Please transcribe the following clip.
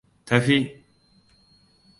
Tafi!